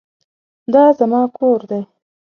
دا زما کور دی